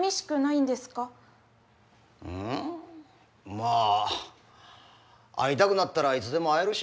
まあ会いたくなったらいつでも会えるしな。